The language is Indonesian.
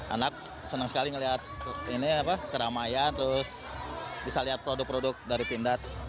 anak senang sekali melihat keramaian terus bisa lihat produk produk dari pindad